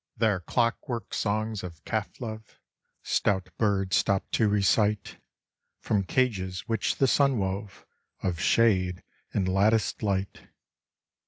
Their clock work songs of calf love Stout birds stop to recite, From cages which the sun wove Of shade and latticed light.